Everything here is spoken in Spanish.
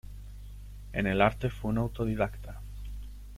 En el arte fue un autodidacta.